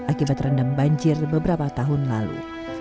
akibat rendam banjir beberapa tahun lalu